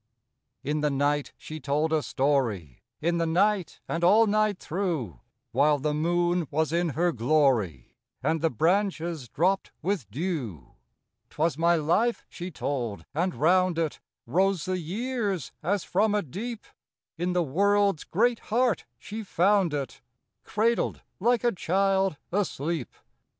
T N the night she told a story, In the night and all night through, While the moon was in her glory, And the branches dropped with dew. 62 FROM QUEENS' CAREENS. 'T was my life she told, and round it Rose the years as from a deep; In the world's great heart she found it, Cradled like a child asleep.